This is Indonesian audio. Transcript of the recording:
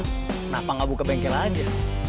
kenapa gak buka bengkel aja